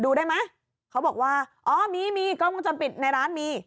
ดูได้ไหมเขาบอกว่าอ๋อมีมีกล้องวงจรปิดในร้านมี